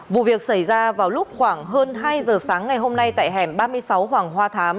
vụ việc xảy ra vào lúc khoảng hơn hai giờ sáng ngày hôm nay tại hẻm ba mươi sáu hoàng hoa thám